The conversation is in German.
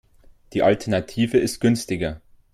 Die Alternative ist günstiger.